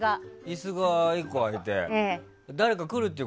椅子が１個あって。